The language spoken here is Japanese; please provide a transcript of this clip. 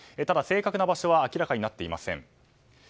ただ、正確な場所は明らかになっていません。